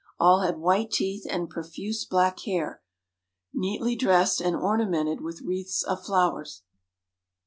All had white teeth and profuse black hair, neatly dressed, and ornamented with wreaths of flowers.